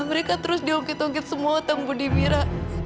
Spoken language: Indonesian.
mereka terus dionggit onggit semua utang budi mira